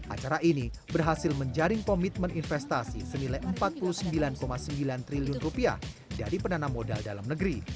acara ini berhasil menjaring komitmen investasi senilai rp empat puluh sembilan sembilan triliun dari penanam modal dalam negeri